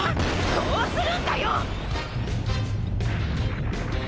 こうするんだよ！